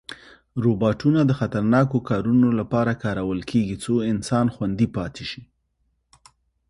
روباټونه د خطرناکو کارونو لپاره کارول کېږي، څو انسان خوندي پاتې شي.